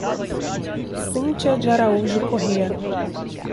Cinthia de Araújo Correa